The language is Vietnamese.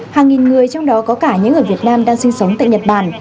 hàng nghìn người trong đó có cả những người việt nam đang sinh sống tại nhật bản